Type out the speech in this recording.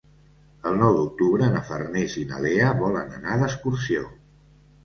El nou d'octubre na Farners i na Lea volen anar d'excursió.